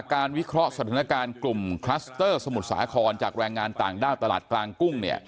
วิเคราะห์สถานการณ์กลุ่มคลัสเตอร์สมุทรสาครจากแรงงานต่างด้าวตลาดกลางกุ้ง